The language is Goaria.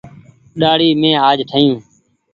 ڏآڙي مين آج ٺآيون ۔